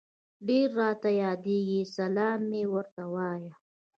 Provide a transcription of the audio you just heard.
ډير راته ياديږي سلام مي ورته وايه